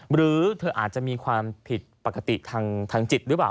หรือเธออาจจะมีความผิดปกติทางจิตหรือเปล่า